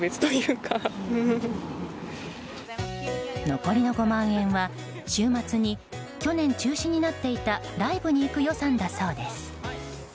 残りの５万円は週末に去年、中止になっていたライブに行く予算だそうです。